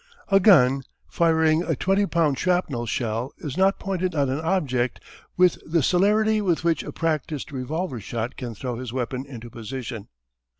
A gun firing a twenty pound shrapnel shell is not pointed on an object with the celerity with which a practised revolver shot can throw his weapon into position.